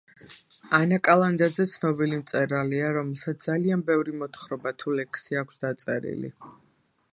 ანა კალანდაძე ცნობილი მწერალია რომელსაც ძალიან ბევრი მოთხრობა თუ ლექსი აქვს დაწერილი